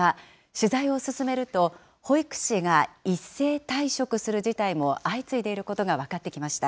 取材を進めると、保育士が一斉退職する事態も相次いでいることが分かってきました。